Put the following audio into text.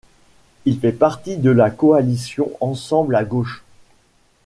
Il fait partie de la coalition Ensemble à gauche.